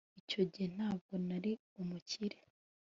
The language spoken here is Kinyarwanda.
icyo gihe ntabwo nari umukire